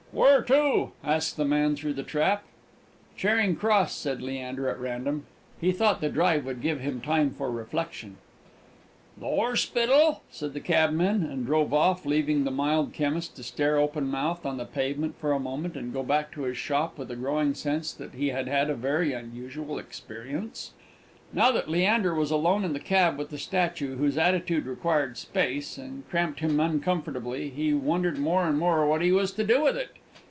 "Where to?" asked the man through the trap. "Charing Cross," said Leander, at random; he ought the drive would give him time for reflection. "The 'orspital, eh?" said the cabman, and drove off, leaving the mild chemist to stare open mouthed on the pavement for a moment, and go back to his shop with a growing sense that he had had a very unusual experience. Now that Leander was alone in the cab with the statue, whose attitude required space, and cramped him uncomfortably, he wondered more and more what he was to do with it.